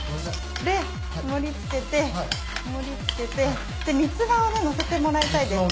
で盛り付けて盛り付けて三つ葉を載せてもらいたいです。